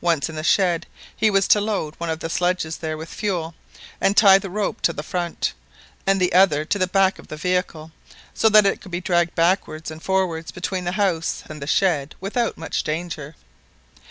Once at the shed, he was to load one of the sledges there with fuel, and tie one rope to the front, and the other to the back of the vehicle, so that it could be dragged backwards and forwards between the house and the shed without much danger.